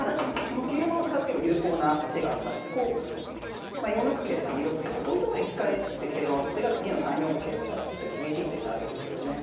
この桂馬を使って結構有効な手がありましてこう４六桂とか２六桂とこういうところに控えて桂馬を打つ手が次の３四桂を狙って厳しい手になるんですよね。